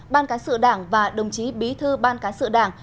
ban cán sự đảng và đồng chí bí thư ban cán sự đảng